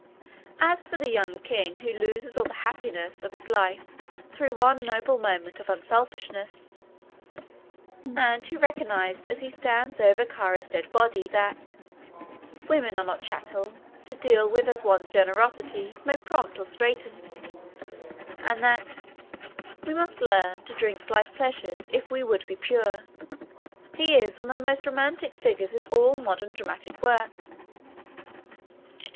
As for the young king who loses all the happiness of his life through one noble moment of unselfishness, and who recognised as he stands over Cara's dead body that women are not chattels, To deal with as one's generosity May prompt or straiten, ... and that we must learn To drink life's pleasures if we would be pure, he is one of the most romantic figures in all modern dramatic work.